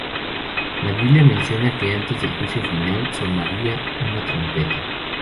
La Biblia menciona que antes del Juicio Final sonaría una trompeta.